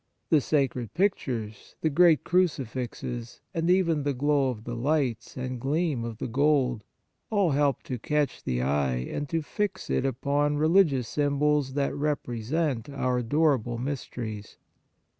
The sacred pictures, the great crucifixes, and even the glow of the lights and gleam of the gold all help to catch the eye and to fix it upon religious symbols that represent our adorable mysteries.